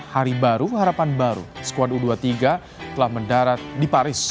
hari baru harapan baru skuad u dua puluh tiga telah mendarat di paris